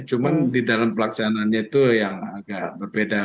cuma di dalam pelaksanaannya itu yang agak berbeda